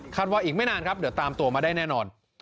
ว่าอีกไม่นานครับเดี๋ยวตามตัวมาได้แน่นอน